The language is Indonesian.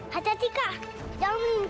sebentar ya nek